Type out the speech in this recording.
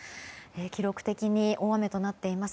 記録的に大雨となっています